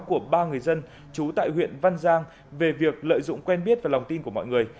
của ba người dân trú tại huyện văn giang về việc lợi dụng quen biết và lòng tin của mọi người